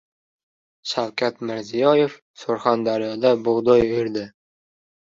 Shavkat Mirziyoev Surxondaryoda bug‘doy o‘rdi